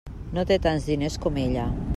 No té tants diners com ella.